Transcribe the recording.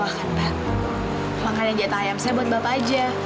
pak makan yang jatah ayam saya buat bapak aja